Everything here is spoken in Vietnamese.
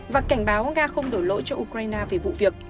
và cảnh báo nga không đổ lỗi cho ukraine về vụ việc